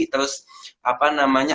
terus apa namanya